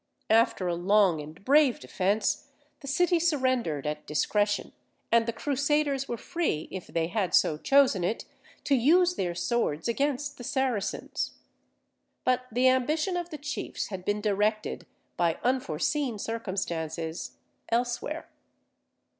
After a long and brave defence, the city surrendered at discretion, and the Crusaders were free, if they had so chosen it, to use their swords against the Saracens. But the ambition of the chiefs had been directed, by unforeseen circumstances, elsewhere.